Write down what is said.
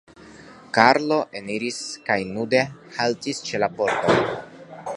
Karlo eniris kaj nude haltis ĉe la pordo.